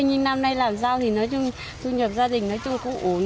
nhưng năm nay làm rau thì nói chung thu nhập gia đình nói chung là cũng ổn